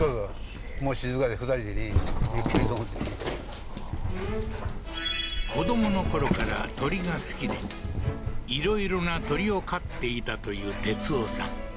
はあー子供の頃から鳥が好きで色々な鳥を飼っていたという哲男さん